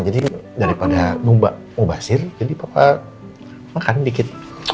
jadi daripada mubah siri jadi papa makan dikit